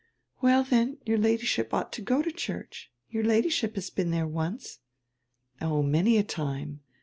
"Well, then, your Ladyship ought to go to church. Your Ladyship has been there once." "Oh, many a time.